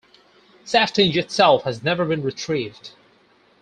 Saaftinge itself has never been retrieved.